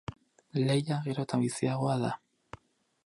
Lehia gero eta biziagoa da.